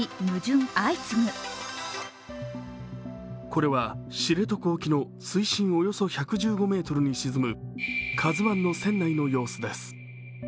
これは知床沖の水深およそ１１５ｍに沈む「ＫＡＺＵⅠ」の船内の様子です。